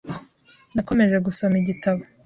Nakomeje gusoma igitabo .